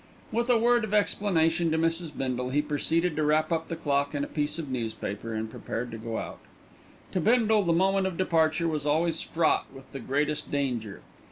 With a word of explanation to Mrs. Bindle, he proceeded to wrap up the clock in a piece of newspaper, and prepared to go out. To Bindle the moment of departure was always fraught with the greatest danger.